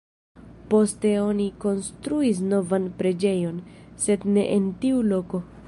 Poste oni konstruis novan preĝejon, sed ne en tiu loko.